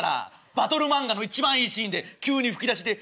バトル漫画の一番いいシーンで急に吹き出しで